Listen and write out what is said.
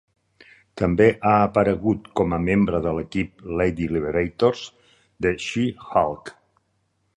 També ha aparegut com a membre de l"equip "Lady Liberators" de She-Hulk.